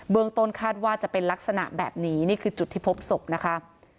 ต้นคาดว่าจะเป็นลักษณะแบบนี้นี่คือจุดที่พบศพนะคะ